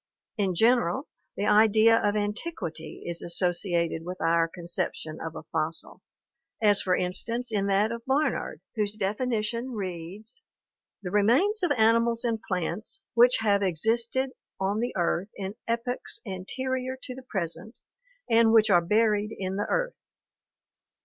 In general, the idea of antiquity is associated with our conception of a fossil, as for instance in that of Barnard, whose definition reads: "The remains of animals and plants which have existed on the earth in epochs anterior to the present and which are buried in the earth."